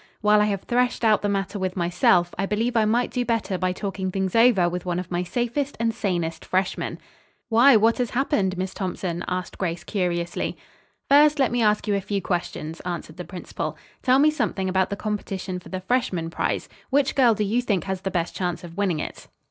While I have threshed out the matter with myself, I believe I might do better by talking things over with one of my safest and sanest freshman." "Why, what has happened, Miss Thompson?" asked Grace curiously. "First, let me ask you a few questions," answered the principal. "Tell me something about the competition for the freshman prize. Which girl do you think has the best chance of winning it?"